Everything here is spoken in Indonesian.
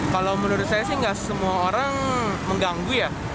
kalau menurut saya sih nggak semua orang mengganggu ya